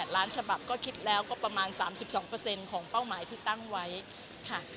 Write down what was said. ล้านฉบับก็คิดแล้วก็ประมาณ๓๒ของเป้าหมายที่ตั้งไว้ค่ะ